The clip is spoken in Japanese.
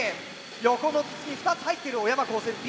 横の筒に２つ入っている小山高専Ｂ。